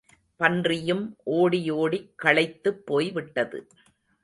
பன்றியும் ஓடி ஓடிக் களைத்துப் போய்விட்டது.